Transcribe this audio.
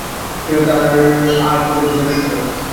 আরে তাদের কথায় কান দিয়ো না।